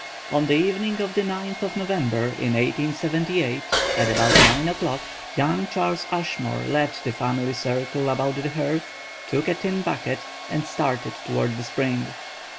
On the evening of the 9th of November in 1878, at about nine o'clock, young Charles Ashmore left the family circle about the hearth, took a tin bucket and started toward the spring.